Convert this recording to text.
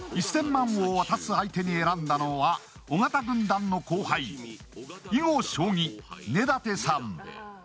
１０００万円を渡す相手に選んだのは、尾形軍団の後輩、囲碁将棋・根建さん。